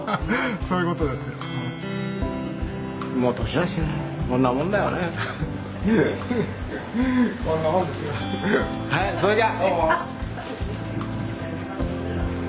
はいそれじゃ！